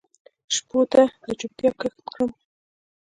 شپو ته د چوپتیا کښت کرم